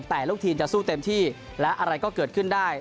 แต่ลูกทีมจะสู้เต็มที่และอะไรก็เกิดขึ้นได้